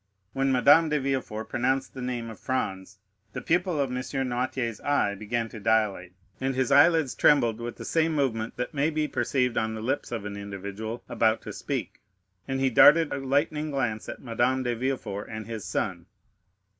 When Madame de Villefort pronounced the name of Franz, the pupil of M. Noirtier's eye began to dilate, and his eyelids trembled with the same movement that may be perceived on the lips of an individual about to speak, and he darted a lightning glance at Madame de Villefort and his son.